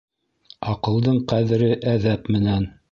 Аҡылдың ҡәҙере әҙәп менән.